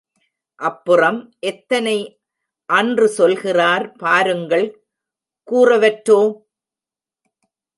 அப்புறம் எத்தனை அன்று சொல்கிறார் பாருங்கள் கூறவற்றோ?